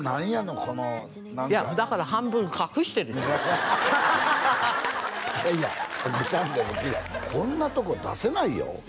この何かいやだから半分隠してるじゃないいやいや隠さんでもきれいこんなとこ出せないよ？